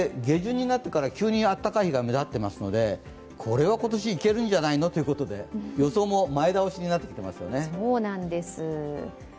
急に暖かい日が目立っていますのでこれは今年いけるんじゃないのということで予想も前倒しになってきていますよね。